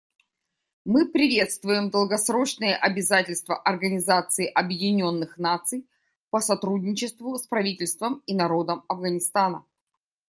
Мы приветствуем долгосрочные обязательства Организации Объединенных Наций по сотрудничеству с правительством и народом Афганистана.